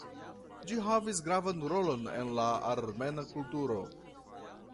Ĝi havis gravan rolon en la armena kulturo.